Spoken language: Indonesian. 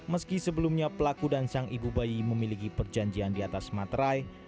meski sebelumnya pelaku dan sang ibu bayi memiliki perjanjian di atas materai